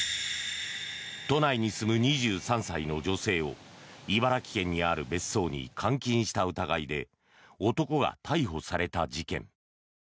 都内に住む２３歳の女性を茨城県にある別荘に監禁した疑いで男が逮捕された事件。